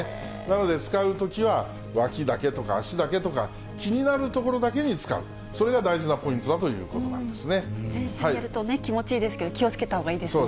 なので、使うときはわきだけとか、足だけとか、気になる所だけに使う、それが大事なポイントだということなんで全身やるとね、気持ちいいですけれども、気をつけたほうがいいですね。